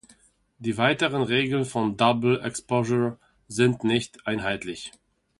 Die weiteren Regeln von "Double Exposure" sind nicht einheitlich.